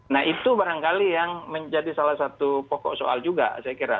nah itu barangkali yang menjadi salah satu pokok soal juga saya kira